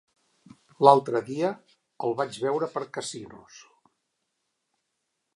L'altre dia el vaig veure per Casinos.